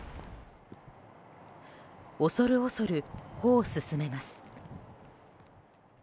恐る恐る歩を進めます。